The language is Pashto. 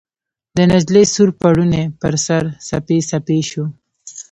د نجلۍ سور پوړني ، پر سر، څپې څپې شو